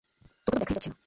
তাকে তো দেখাই যাচ্ছে না?